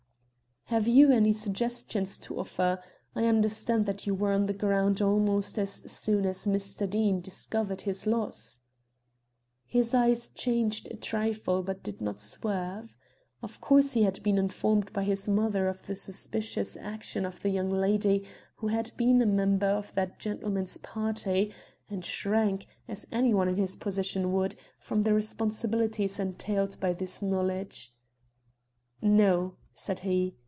"Have you any suggestions to offer? I understand that you were on the ground almost as soon as Mr. Deane discovered his loss." His eyes changed a trifle but did not swerve. Of course he had been informed by his mother of the suspicious action of the young lady who had been a member of that gentleman's party, and shrank, as any one in his position would, from the responsibilities entailed by this knowledge. "No," said he.